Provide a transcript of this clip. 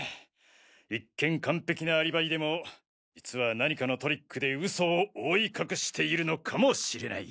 一見完璧なアリバイでも実は何かのトリックで嘘を覆い隠しているのかもしれない。